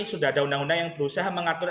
sudah ada undang undang yang berusaha mengatur